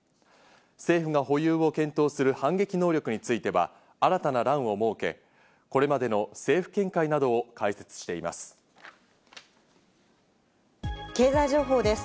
政府が保有を検討する反撃能力については新たな欄を設け、これまでの政府見解などを解説しています。